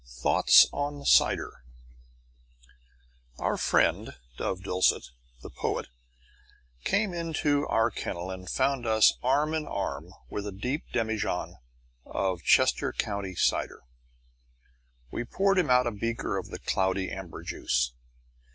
THOUGHTS ON CIDER Our friend Dove Dulcet, the poet, came into our kennel and found us arm in arm with a deep demijohn of Chester County cider. We poured him out a beaker of the cloudy amber juice.